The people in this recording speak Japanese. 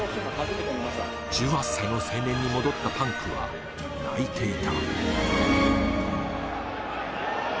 １８歳の青年に戻ったＰＵＮＫは泣いていた